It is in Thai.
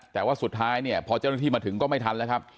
แต่ว่าสุดท้ายเนี่ยพอเจ้าหน้าที่มาถึงก็ไม่ทันแล้วครับ